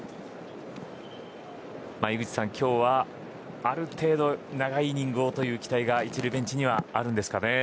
井口さん、今日はある程度、長いイニングをという期待が１塁ベンチにはあるんですかね。